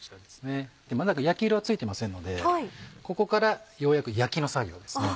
まだ焼き色はついてませんのでここからようやく焼きの作業入りますね。